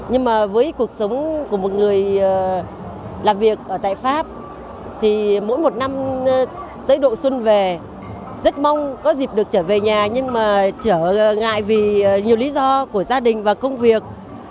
nhưng mà với cuộc sống của một người làm việc ở tại pháp thì mỗi một năm tới độ xuân về rất mong có dịp được trở về nhà nhưng mà trở ngại vì nhiều lý do của gia đình và công việc